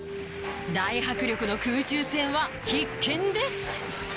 大迫力の空中戦は必見です